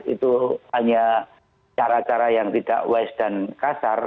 itu hanya cara cara yang tidak wise dan kasar